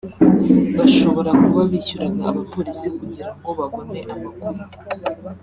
bashobora kuba bishyuraga abapolisi kugira ngo babone amakuru